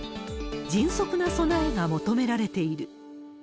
迅速な備えが求められている。